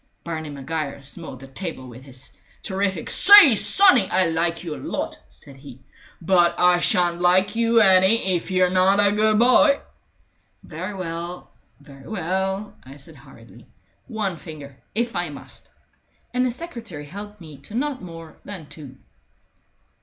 Barney Maguire smote the table with terrific fist. "Say, sonny, I like you a lot," said he. "But I shan't like you any if you're not a good boy!" "Very well, very well," I said hurriedly. "One finger, if I must." And the secretary helped me to not more than two.